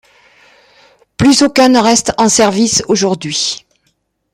Plus aucun ne reste en service aujourd'hui.